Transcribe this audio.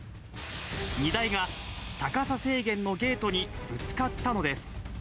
荷台が高さ制限のゲートにぶつかったのです。